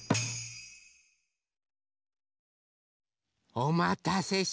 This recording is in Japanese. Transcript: おまたせしました。